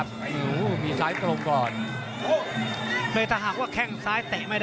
วันนี้เดี่ยงไปคู่แล้วนะพี่ป่านะ